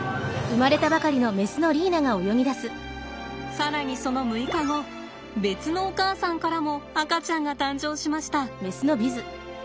更にその６日後別のお母さんからも赤ちゃんが誕生しました。